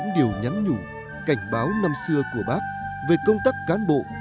đủ cảnh báo năm xưa của bác về công tác cán bộ